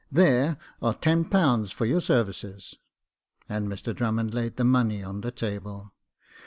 There are ten pounds for your services" (and Mr Drummond laid the money on the table).